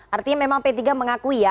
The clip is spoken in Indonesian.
artinya memang p tiga mengakui ya